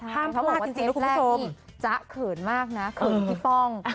ห้ามพูดว่าเทปแรกที่จ๊ะเขินมากนะเขินพี่ป้อง